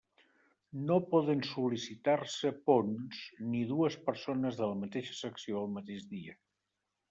No poden sol·licitar-se ponts, ni dues persones de la mateixa secció el mateix dia.